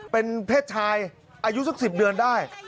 เป็นเพศชายอายุสัก๑๐เดือนได้